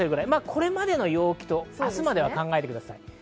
これまでの陽気と明日までは考えてください。